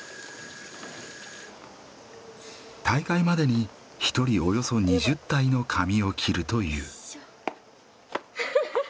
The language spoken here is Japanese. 大会までに１人およそ２０体の髪を切るという。